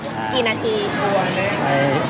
กี่นาที